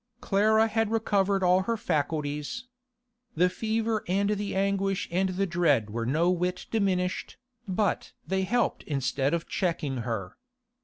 Clara had recovered all her faculties. The fever and the anguish and the dread were no whit diminished, but they helped instead of checking her.